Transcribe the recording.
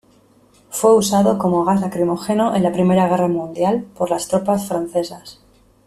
Fue usado como gas lacrimógeno en la Primera Guerra Mundial por las tropas francesas.